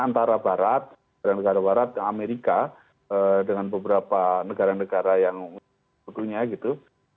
antara barat negara negara barat amerika dengan beberapa negara negara yang sebetulnya gitu